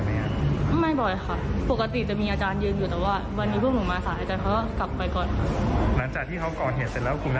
เห็นว่ามีกรณาที่จะมากรเหตุของพวกหนูค่ะ